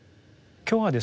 今日はですね